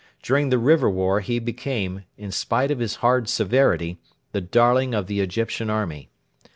During the River War he became, in spite of his hard severity, the darling of the Egyptian Army.